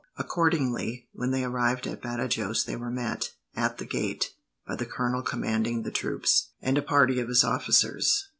Accordingly, when they arrived at Badajos they were met, at the gate, by the colonel commanding the troops, and a party of his officers.